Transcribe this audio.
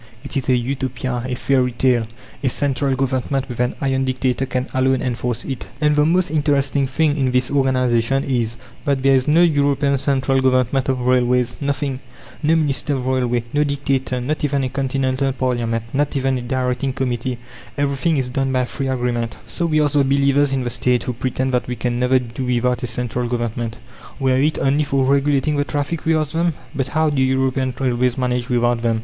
It is a Utopia, a fairy tale. A central Government, with an 'iron' dictator, can alone enforce it." And the most interesting thing in this organization is, that there is no European Central Government of Railways! Nothing! No minister of railways, no dictator, not even a continental parliament, not even a directing committee! Everything is done by free agreement. So we ask the believers in the State, who pretend that "we can never do without a central Government, were it only for regulating the traffic," we ask them: "But how do European railways manage without them?